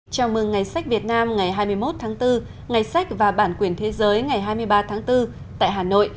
chào mừng ngày sách việt nam ngày hai mươi một tháng bốn ngày sách và bản quyền thế giới ngày hai mươi ba tháng bốn tại hà nội